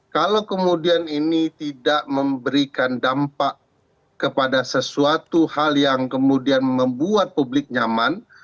kalau kemudian ini tidak memberikan dampak kepada sesuatu hal yang kemudian membuat publik nyaman